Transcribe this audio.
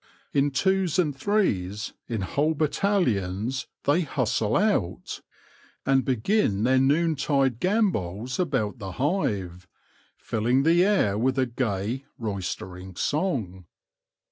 In twos and threes, in whole battalions, they hustle out, and begin AT THE CITY GATES 45 their noontide gambols about the hive, filling the air with a gay, roistering song.